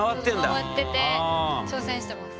まわってて挑戦してます。